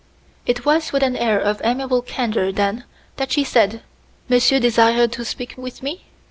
It was with an air of amiable candor, then, that she said, "Monsieur desire to speak with me?"